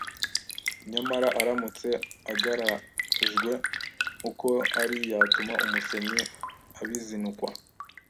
nyamara aramutse agarajwe uko ari yatuma umusomyi abizinukwa!